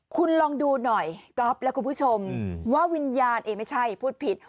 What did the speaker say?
คุณลองดูหน่อยก๊อฟและคุณผู้ชมว่าวิญญาณเองไม่ใช่พูดผิด